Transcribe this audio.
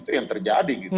itu yang terjadi